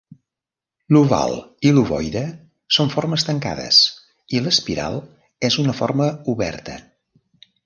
L'oval i l'ovoide són formes tancades i l'espiral és una forma oberta.